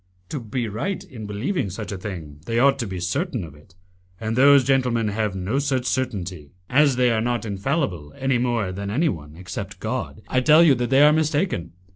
"To be right in believing such a thing, they ought to be certain of it, and those gentlemen have no such certainty. As they are not infallible any more than any one, except God, I tell you that they are mistaken.